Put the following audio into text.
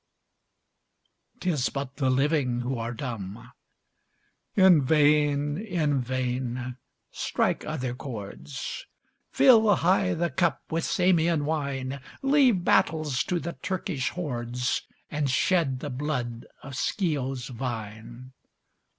'Tis but the living who are dumb. In vain in vain: strike other chords; Fill high the cup with Samian wine! Leave battles to the Turkish hordes, And shed the blood of Scio's vine!